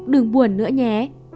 đừng buồn nữa nhé